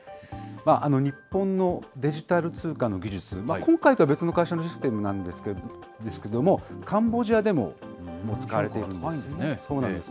日本のデジタル通貨の技術、今回とは別の会社のシステムなんですけれども、カンボジアでも使われているんです。